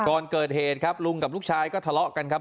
ก่อนเกิดเหตุครับลุงกับลูกชายก็ทะเลาะกันครับ